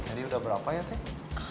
jadi udah berapa ya teh